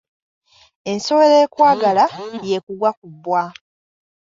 Ensowera ekwagala y'ekugwa ku bbwa.